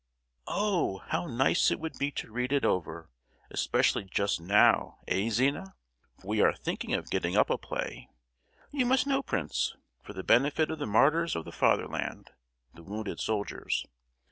"Oh! how nice it would be to read it over, especially just now, eh, Zina? for we are thinking of getting up a play, you must know, prince, for the benefit of the 'martyrs of the Fatherland,' the wounded soldiers.